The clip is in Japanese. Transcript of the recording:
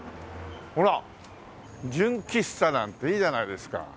ほら純喫茶なんていいじゃないですか。